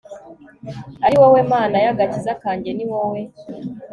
ari wowe mana y agakiza kanjye ni wowe